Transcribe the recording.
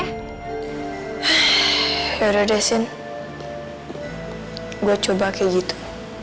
yaudah deh sin gua coba kayak gitu